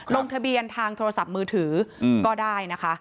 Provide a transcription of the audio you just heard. ลงทะเบียนทางโทรศัพท์มือถือก็ได้นะคะ